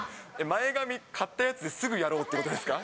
前髪、買ったやつですぐやろうってことですか？